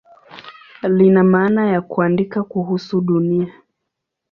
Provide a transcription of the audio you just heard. Lina maana ya "kuandika kuhusu Dunia".